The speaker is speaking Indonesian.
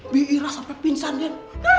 bi'ira sampe pinsan den